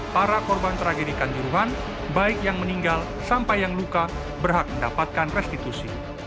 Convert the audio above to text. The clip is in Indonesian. para korban tragedikan juruhan baik yang meninggal sampai yang luka berhak mendapatkan restitusi